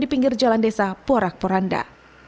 di pinggir jalan desa porak poranda